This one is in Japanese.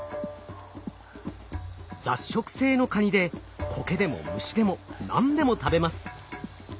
雑食性のカニでコケでも虫でも何でも食べます。